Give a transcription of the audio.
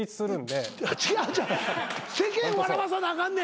違う違う世間笑わさなあかんねん。